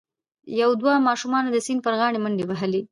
یو دوه ماشومانو د سیند پر غاړه منډې وهلي.